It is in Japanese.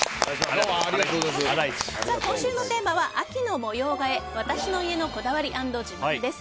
今週のテーマは、秋の模様替え私の家のこだわり＆自慢です。